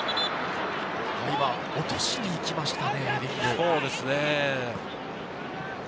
今、落としに行きましたね。